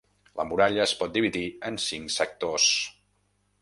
La muralla es pot dividir en cinc sectors.